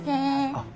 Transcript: あっ。